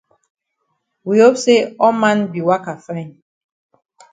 We hope say all man be waka fine.